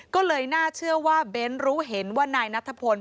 ก็เลยน่าเชื่อว่าเบ้นรู้เห็นว่านายนัทพล